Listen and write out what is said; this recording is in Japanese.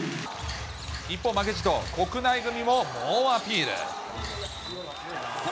一方、負けじと国内組も猛アピール。